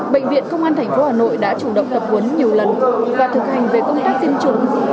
bệnh viện công an tp hà nội đã chủ động tập huấn nhiều lần và thực hành về công tác tiêm chủng